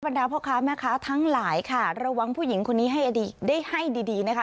ดาพ่อค้าแม่ค้าทั้งหลายค่ะระวังผู้หญิงคนนี้ให้ดีได้ให้ดีดีนะคะ